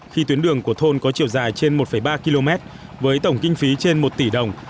khi tuyến đường của thôn có chiều dài trên một ba km với tổng kinh phí trên một tỷ đồng